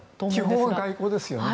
基本は外交ですよね。